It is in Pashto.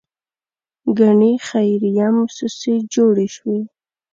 ګڼې خیریه موسسې جوړې شوې.